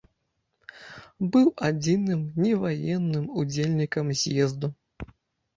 Быў адзіным неваенным удзельнікам з'езду.